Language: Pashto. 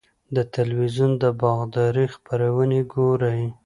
د تلویزیون د باغدارۍ خپرونې ګورئ؟